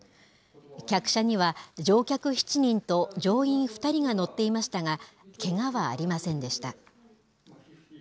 客車には乗客７人と乗員２人が乗っていましたが、けがはありませんでした。